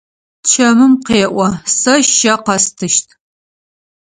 Чэмым къеӏо: Сэ щэ къэстыщт.